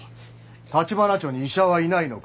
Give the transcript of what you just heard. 橘町に医者はいないのか？